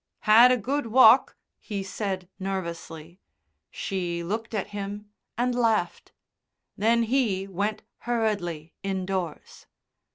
"Had a good walk?" he said nervously. She looked at him and laughed. Then he went hurriedly indoors.